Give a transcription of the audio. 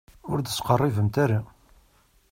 Ur d-ttqerribemt ara.